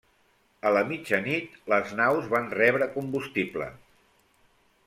A la mitjanit, les naus van rebre combustible.